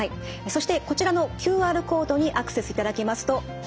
そしてこちらのＱＲコードにアクセスいただきますとホームページ